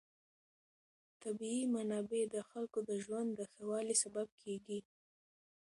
طبیعي منابع د خلکو د ژوند د ښه والي سبب کېږي.